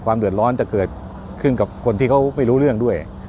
เดือดร้อนจะเกิดขึ้นกับคนที่เขาไม่รู้เรื่องด้วย